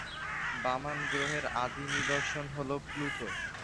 বামন গ্রহের আদি নিদর্শন হল প্লুটো।